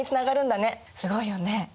すごいよね。